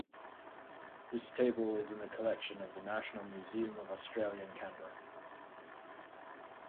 This table is in the collection of the National Museum of Australia in Canberra.